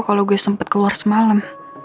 kalo gue sempet keluar semalam